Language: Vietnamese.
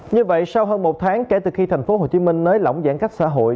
như vậy sau hơn một tháng kể từ khi tp hcm nới lỏng giãn cách xã hội